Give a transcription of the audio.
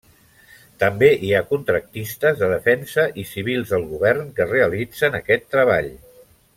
També hi ha contractistes de defensa i civils del govern que realitzen aquest treball.